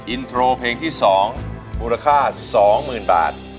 อินโทรเพลงที่๒มูลค่า๒๐๐๐บาท